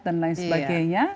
dan lain sebagainya